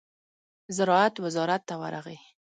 زراعت وزارت ته ورغی.